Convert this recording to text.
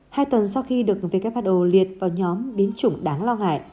hai tuần sau khi được who liệt vào nhóm biến chủng đáng lo ngại